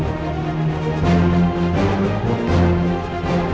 tidak ada yang bisa dikawal